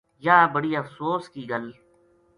یاہ بڑی افسو س کی گل